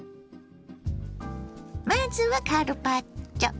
まずはカルパッチョ。